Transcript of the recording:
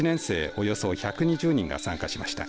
およそ１２０人が参加しました。